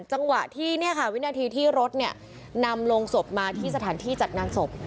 จังหวะที่วินาทีที่รถนำลงศพมาที่สถานที่จัดงานศพ